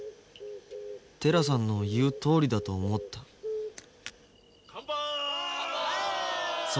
寺さんの言うとおりだと思ったかんぱい！